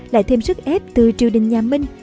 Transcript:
lại thêm sức ép từ triều đinh nhà minh